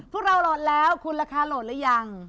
พวกเราโหลดแล้วคุณราคาโหลดหรือยัง